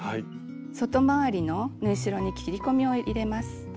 外回りの縫い代に切り込みを入れます。